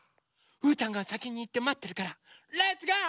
うーたんがさきにいってまってるからレッツゴー！